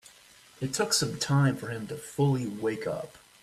It took some time for him to fully wake up.